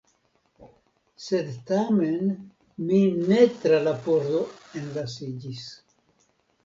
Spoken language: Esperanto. Sed tamen mi ne tra la pordo enlasiĝis.